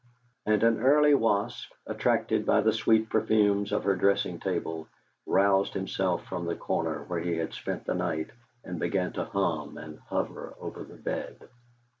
And an early wasp, attracted by the sweet perfumes of her dressing table, roused himself from the corner where he had spent the night, and began to hum and hover over the bed.